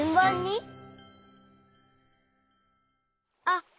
あっ！